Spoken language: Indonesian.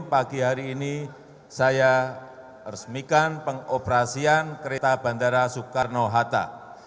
pagi hari ini saya resmikan pengoperasian kereta bandara soekarno hatta